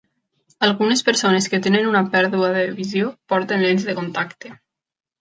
Algunes persones que tenen una pèrdua de visió porten lents de contacte.